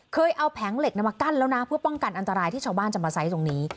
เคยเอาแผงเหล็กมากั้นแล้วนะเพื่อป้องกันอันตรายที่ชาวบ้านจะมาใช้ตรงนี้